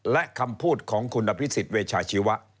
และคำพูดของคุณอภิษฎเวชาชีวะ